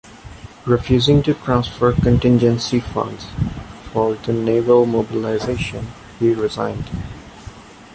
Refusing to transfer contingency funds for the naval mobilization, he resigned.